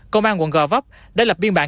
công an quận gò vấp đã lập biên bản